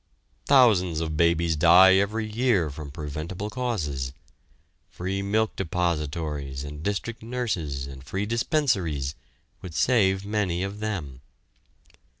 Thousands of babies die every year from preventable causes. Free milk depositories and district nurses and free dispensaries would save many of them.